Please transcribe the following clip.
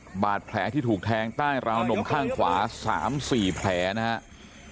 และบาดแผลที่ถูกแท้ง้าหอยนมข้างขวา๓๔แผลนะครับ